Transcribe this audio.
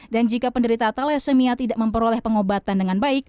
dan jika penderita thalesemia tidak memperoleh pengobatan dengan baik